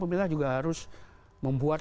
pemerintah juga harus membuat